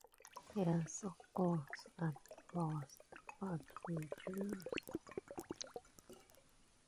Yes, of course, at first; but which rules?